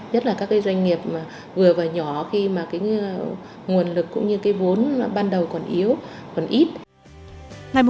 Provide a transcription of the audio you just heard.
nhất là các doanh nghiệp vừa và nhỏ khi mà nguồn lực cũng như vốn ban đầu còn yếu còn ít